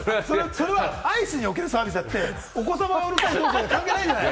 それはアイスにおけるサービスであって、お子様がうるさいのとは関係ないじゃない。